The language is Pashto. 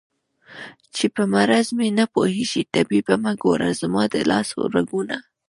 چې په مرض مې نه پوهېږې طبيبه مه ګوره زما د لاس رګونه